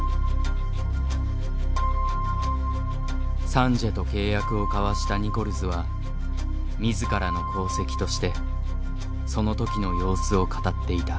サンジエと契約を交わしたニコルズは自らの功績としてその時の様子を語っていた。